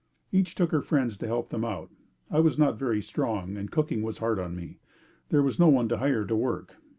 Each took her friends to help them out. I was not very strong and cooking was hard on me. There was no one to hire to work.